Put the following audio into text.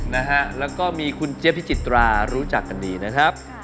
แล้วก็มีคุณเจฟทิจิตรารู้จักกันดีนะครับ